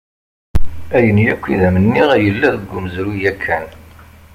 Ayen akk i d-am-nniɣ yella deg umezruy yakkan.